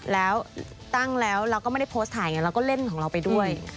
แล้วตั้งแล้วเราก็ไม่ได้โพสต์ถ่ายไงเราก็เล่นของเราไปด้วย